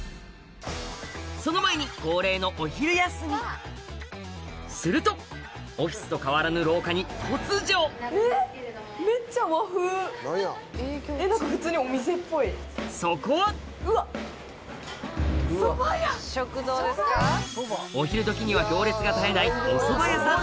その前に恒例のするとオフィスと変わらぬ廊下に突如そこはお昼時には行列が絶えないおそば屋さん